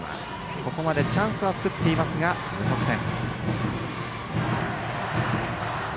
ここまでチャンスは作っていますが、無得点。